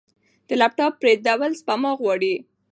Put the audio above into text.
د لپ ټاپ پیرودل سپما غواړي.